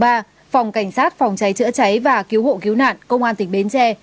phòng cảnh sát phòng cháy chữa cháy và cứu hộ cứu nạn công an tỉnh bến tre